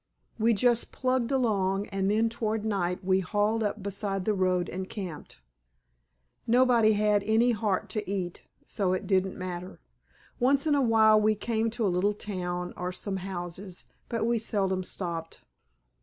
We just plugged along, and then toward night we hauled up beside the road and camped. Nobody had any heart to eat, so it didn't matter. Once in a while we came to a little town, or some houses, but we seldom stopped.